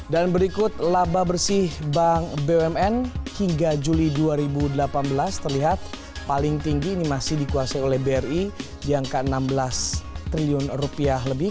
dan berikut laba bersih bank bumn hingga juli dua ribu delapan belas terlihat paling tinggi ini masih dikuasai oleh bri di angka rp enam belas triliun lebih